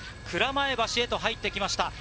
蔵前橋へと入ってきました。